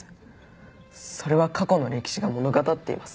それは過去の歴史が物語っています。